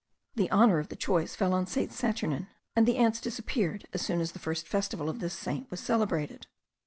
The honour of the choice fell on St. Saturnin; and the ants disappeared as soon as the first festival of this saint was celebrated.